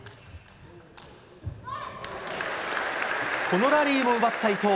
このラリーも奪った伊藤。